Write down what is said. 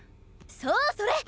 そうそれ！